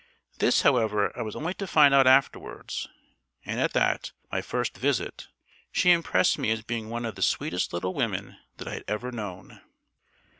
This, however, I was only to find out afterwards; and at that, my first visit, she impressed me as being one of the sweetest little women that I had ever known.